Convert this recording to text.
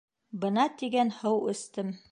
— Бына тигән һыу эстем.